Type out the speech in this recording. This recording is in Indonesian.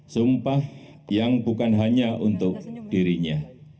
sumpah yang bukan hanya untuk dirinya